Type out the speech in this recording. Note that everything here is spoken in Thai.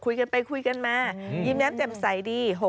คุยกันไปคุยกันมายิ้มแย้มแจ่มใสดี